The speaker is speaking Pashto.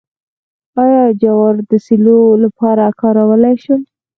آیا جوار د سیلو لپاره کارولی شم؟